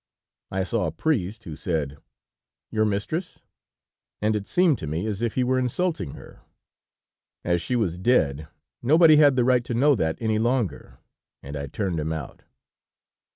I saw a priest, who said: 'Your mistress?' and it seemed to me as if he were insulting her. As she was dead, nobody had the right to know that any longer, and I turned him out.